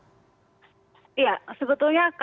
iya sebetulnya kalau kita